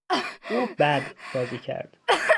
او بد بازی کرد.